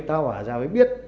ta hỏa ra mới biết